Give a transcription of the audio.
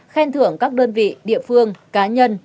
khen thưởng các đơn vị địa phương cá nhân